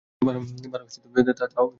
ভালো, তাও তাহলে।